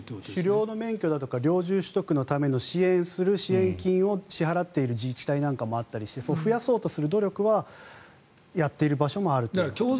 狩猟の免許だとか猟銃資格のための支援する支援金を支払っている自治体なんかもあったりして増やそうとする努力はやっている場所もあるということですけどね。